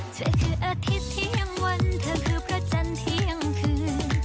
เธอคืออาทิตย์เที่ยงวันเธอคือพระจันทร์เที่ยงคืน